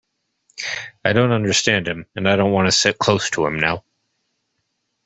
I don't understand him, and I don't want to sit close to him now.